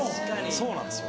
そうなんですよ。